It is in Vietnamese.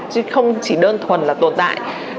chứ không chỉ đơn thuần là tồn tại